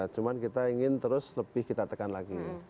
cuma kita ingin terus lebih kita tekan lagi